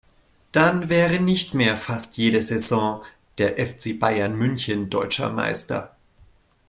Dann wäre nicht mehr fast jede Saison der FC Bayern München deutscher Meister.